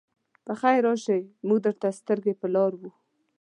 پخير راشئ! موږ درته سترګې په لار وو.